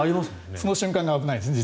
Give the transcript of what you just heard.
その瞬間が実は危ないですよね。